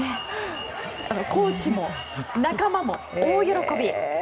コーチも仲間も大喜び。